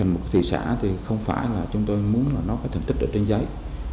một thị xã thì không phải là chúng tôi muốn là nó phải thành tích ở trên giấy